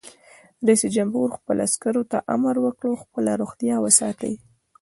رئیس جمهور خپلو عسکرو ته امر وکړ؛ خپله روغتیا وساتئ!